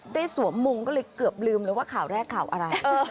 สวมมุงก็เลยเกือบลืมเลยว่าข่าวแรกข่าวอะไร